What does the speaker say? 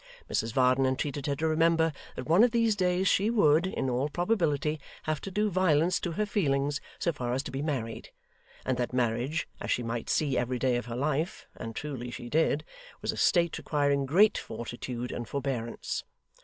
Mrs Varden entreated her to remember that one of these days she would, in all probability, have to do violence to her feelings so far as to be married; and that marriage, as she might see every day of her life (and truly she did) was a state requiring great fortitude and forbearance.